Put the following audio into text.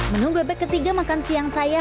menu bebek ketiga makan siang saya